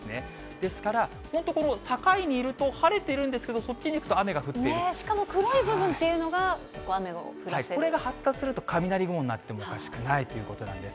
ですから、本当この境にいると、晴れているんですけど、しかも黒い部分っていうのが、これが発達すると、雷雲になってもおかしくないということなんです。